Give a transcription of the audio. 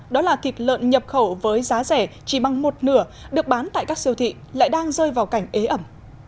đó là thịt lợn nhập khẩu với giá rẻ chỉ bằng một nửa được bán tại các siêu thị lại đang rơi vào cảnh ế ẩm